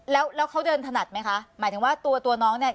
แล้วแล้วเขาเดินถนัดไหมคะหมายถึงว่าตัวตัวน้องเนี่ย